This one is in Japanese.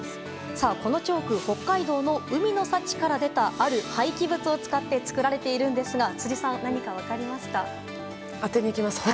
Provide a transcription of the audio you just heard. このチョーク北海道の海の幸から出たある廃棄物を使って作られているんですが辻さん、何か分かりますか？